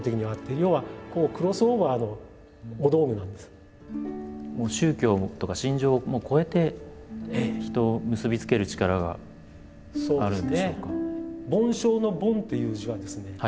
要はもう宗教とか信条を超えて人を結び付ける力があるんでしょうか？